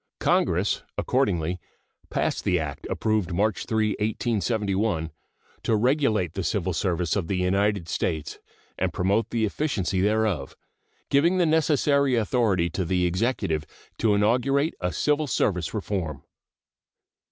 Congress accordingly passed the act approved March 3, 1871, "to regulate the civil service of the United States and promote the efficiency thereof," giving the necessary authority to the Executive to inaugurate a civil service reform.